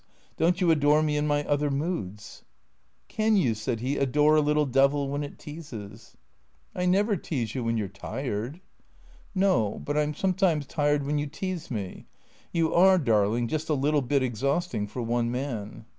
Don't you adore me in my other moods ?"" Can you," said he, " adore a little devil when it teases ?"" I never tease you when you 're tired." " No, but I 'm sometimes tired when you tease me. You are, darling, just a little bit exhausting for one man."